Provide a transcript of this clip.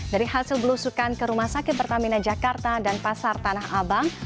dari hasil belusukan ke rumah sakit pertamina jakarta dan pasar tanah abang